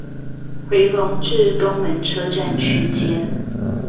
迴龍至東門車站區間